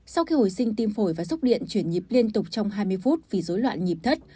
sau khi hồi sinh tim phổi và sốc điện chuyển nhịp liên tục trong hai mươi phút vì dối loạn nhịp thất